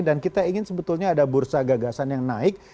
dan kita ingin sebetulnya ada bursa gagasan yang naik